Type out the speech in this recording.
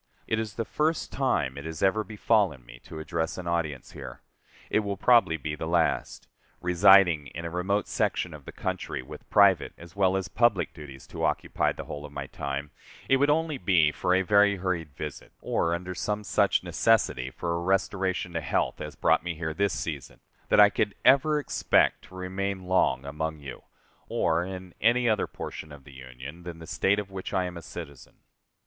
It is the first time it has ever befallen me to address an audience here. It will probably be the last. Residing in a remote section of the country, with private as well as public duties to occupy the whole of my time, it would only be for a very hurried visit, or under some such necessity for a restoration to health as brought me here this season, that I could ever expect to remain long among you, or in any other portion of the Union than the State of which I am a citizen.